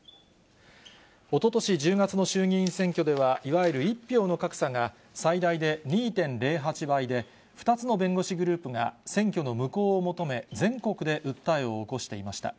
おととし１０月の衆議院選挙では、いわゆる１票の格差が、最大で２．０８倍で、２つの弁護士グループが選挙の無効を求め、全国で訴えを起こしていました。